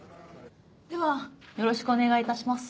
・ではよろしくお願いいたします